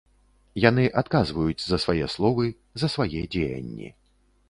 Яны адказваюць за свае словы, за свае дзеянні.